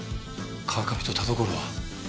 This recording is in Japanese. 川上と田所は。